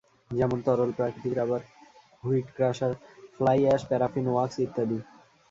যেমন তরল প্রাকৃতিক rubber, wheat crusher, fly ash, paraffin wax ইত্যাদি।